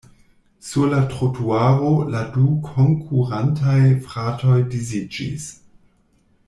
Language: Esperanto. Sur la trotuaro la du konkurantaj fratoj disiĝis.